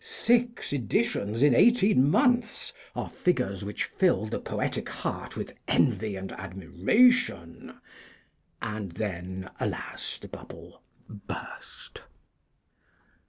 Six editions in eighteen months are figures which fill the poetic heart with envy and admiration. And then, alas! the bubble burst.